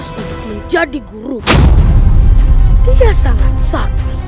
sampai jumpa di video selanjutnya